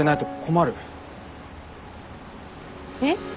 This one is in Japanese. えっ？